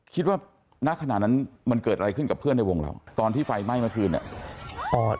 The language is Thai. ณขณะนั้นมันเกิดอะไรขึ้นกับเพื่อนในวงเราตอนที่ไฟไหม้เมื่อคืนเนี่ย